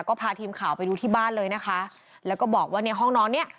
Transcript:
ก็พาทีมข่าวไปดูที่บ้านเลยนะคะแล้วก็บอกว่าในห้องนอนเนี้ย